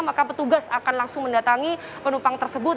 maka petugas akan langsung mendatangi penumpang tersebut